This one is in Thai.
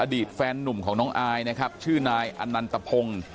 อดีตแฟนนุ่มของน้องอายนะครับชื่อนายอนันตพงศ์